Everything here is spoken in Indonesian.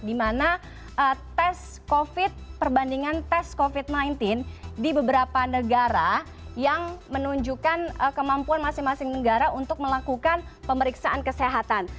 di mana tes covid perbandingan tes covid sembilan belas di beberapa negara yang menunjukkan kemampuan masing masing negara untuk melakukan pemeriksaan kesehatan